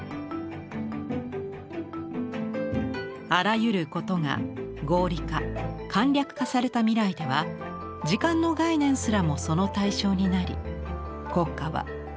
あらゆることが合理化簡略化された未来では時間の概念すらもその対象になり国家は時間を１０進法に改めてしまう。